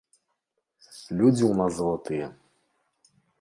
Людзі ў нас залатыя.